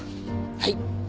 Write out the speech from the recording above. はい。